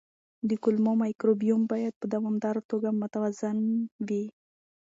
د کولمو مایکروبیوم باید په دوامداره توګه متوازن وي.